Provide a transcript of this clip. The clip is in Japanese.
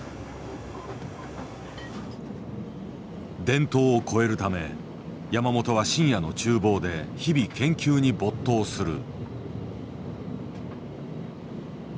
伝統を超えるため山本は深夜の厨房で日々研究に没頭する。